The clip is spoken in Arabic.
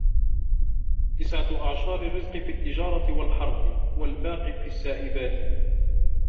تِسْعَةُ أَعْشَارِ الرِّزْقِ فِي التِّجَارَةِ وَالْحَرْثِ وَالْبَاقِي فِي السَّائِبَاتِ